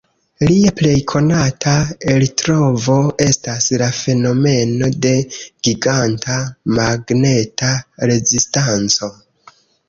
Lia plej konata eltrovo estas la fenomeno de Giganta Magneta Rezistanco.